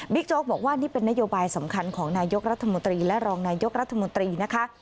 โจ๊กบอกว่านี่เป็นนโยบายสำคัญของนายกรัฐมนตรีและรองนายกรัฐมนตรีนะคะ